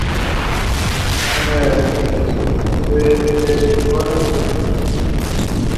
It formerly operated Lenora Elementary School.